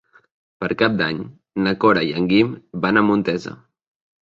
Per Cap d'Any na Cora i en Guim van a Montesa.